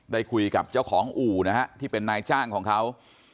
ได้คุยกับเจ้าของอู่นะฮะที่เป็นนายจ้างของเขา